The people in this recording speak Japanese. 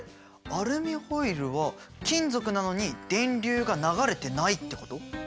アルミホイルは金属なのに電流が流れてないってこと？